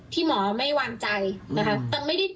หมอไม่วางใจนะคะ